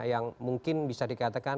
yang mungkin bisa dikatakan